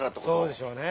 そうでしょうね。